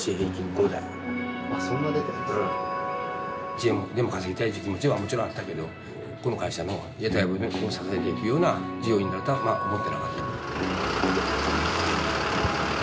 １円でも稼ぎたいって気持ちはもちろんあったけどこの会社の屋台骨にさせていくような事業になるとは思ってなかった。